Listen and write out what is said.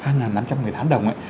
hai năm trăm linh người tháng đồng ấy